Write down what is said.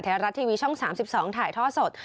ไทยรัฐทีวีช่อง๓๒ถ่ายท่อสด